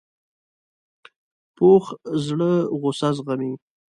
پوخ زړه غصه زغمي